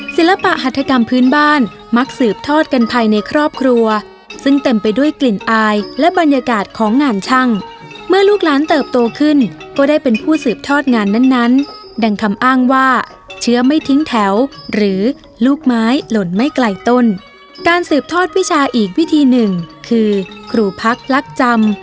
ศิลปะหัฐกรรมพื้นบ้านมักสืบทอดกันภายในครอบครัวซึ่งเต็มไปด้วยกลิ่นอายและบรรยากาศของงานช่างเมื่อลูกหลานเติบโตขึ้นก็ได้เป็นผู้สืบทอดงานนั้นดังคำอ้างว่าเชื้อไม่ทิ้งแถวหรือลูกไม้หล่นไม่ไกลต้นการสืบทอดวิชาอีกวิธีหนึ่งคือครูพักลักจำ